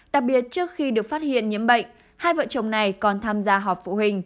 đặc biệt trước khi được phát hiện nhiễm bệnh hai vợ chồng này còn tham gia họp phụ huynh